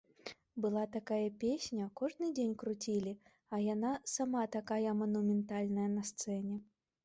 Была такая песня, кожны дзень круцілі, а яна сама такая манументальная на сцэне.